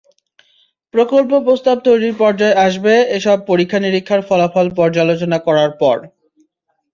প্রকল্প প্রস্তাব তৈরির পর্যায় আসবে এসব পরীক্ষা-নিরীক্ষার ফলাফল পর্যালোচনা করার পর।